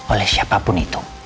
oleh siapapun itu